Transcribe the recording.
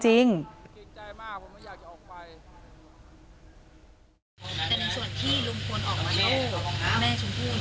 แต่ในส่วนที่ลุงคลออกมาแล้วแม่ชมพู่เนี่ย